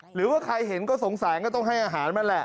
หรือว่าใครเห็นก็สงสารก็ต้องให้อาหารมันแหละ